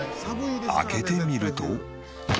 開けてみると。